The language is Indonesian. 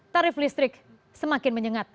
tarif listrik semakin menyengat